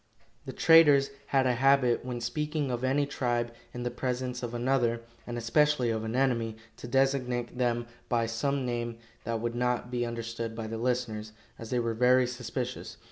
The traders had a habit, when speaking of any tribe in the presence of another, and especially of an enemy, to designate them by some name that would not be understood by the listeners, as they were very suspicious.